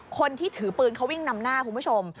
คนที่ถือปืนเขาวิ่งนำหน้าคุณผู้ชม